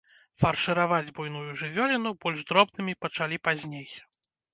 Фаршыраваць буйную жывёліну больш дробнымі пачалі пазней.